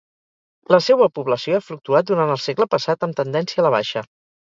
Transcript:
La seua població ha fluctuat durant el segle passat amb tendència a la baixa.